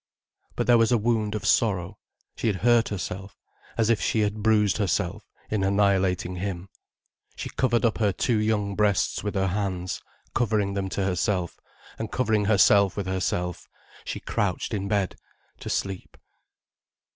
But there was a wound of sorrow, she had hurt herself, as if she had bruised herself, in annihilating him. She covered up her two young breasts with her hands, covering them to herself; and covering herself with herself, she crouched in bed, to sleep.